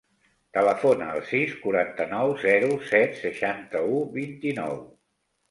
Telefona al sis, quaranta-nou, zero, set, seixanta-u, vint-i-nou.